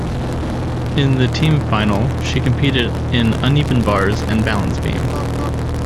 In the team final, she competed in uneven bars and balance beam.